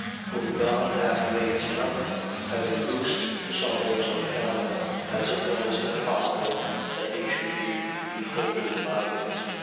Whom God hath raised up, having loosed the sorrows of hell, as it was impossible that he should be holden by it.